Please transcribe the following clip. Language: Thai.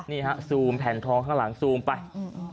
นี่ฮะซูมแผ่นทองข้างหลังซูมไปอืม